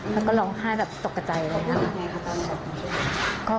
แล้วก็ร้องไห้ตกกระใจเลยครับ